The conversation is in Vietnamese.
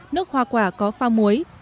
nước hoa quả có pha muối